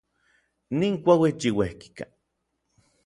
Nin kuauitl yiueyijka.